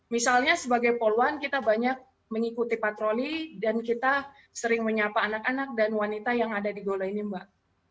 misalnya sebagai poluan kita banyak mengikuti patroli dan kita sering menyapa anak anak dan wanita yang ada di golo ini mbak